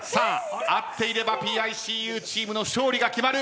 合っていればＰＩＣＵチームの勝利が決まる。